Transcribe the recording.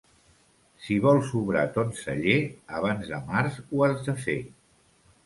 Si vols obrar ton celler, abans de març ho has de fer.